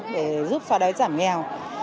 để giúp phá đối giảm nghèo